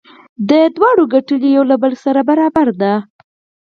د دواړو کتلې یو له بل سره برابره ده.